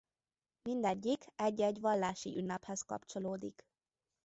Mindegyik egy-egy vallási ünnephez kapcsolódik.